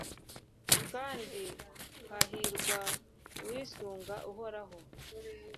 kandi hahirwa uwisunga Uhoraho